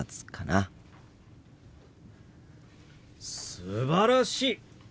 すばらしい！